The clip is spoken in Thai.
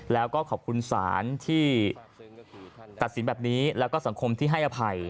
แล้วก็ขอบคุณศาลที่ตัดสินแบบนี้แล้วก็สังคมที่ให้อภัย